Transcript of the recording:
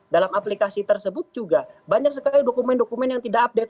dalam aplikasi tersebut juga banyak sekali dokumen dokumen yang tidak update